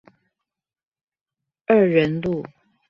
二仁路